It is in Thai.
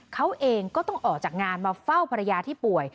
เขาเองก็ต้องออกจากงานมาเฝ้าภรรยาที่ป่วย